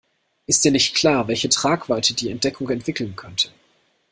Ist dir nicht klar, welche Tragweite die Entdeckung entwickeln könnte?